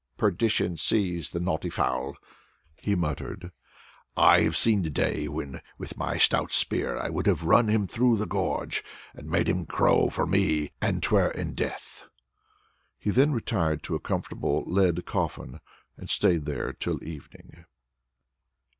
"Perdition seize the naughty fowl," he muttered, "I have seen the day when, with my stout spear, I would have run him through the gorge, and made him crow for me an 'twere in death!" He then retired to a comfortable lead coffin, and stayed there till evening.